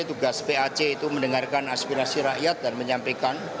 tugas pac itu mendengarkan aspirasi rakyat dan menyampaikan